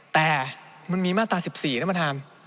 แต่มันมีมาตรา๑๔ท่านประธาน